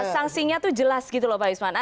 sanksinya itu jelas gitu loh pak yusman